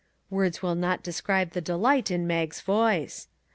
" Words will not describe the delight in Mag's voice.